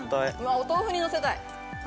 お豆腐にのせたい！